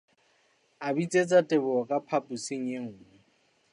A bitsetsa Teboho ka phaposing e nngwe.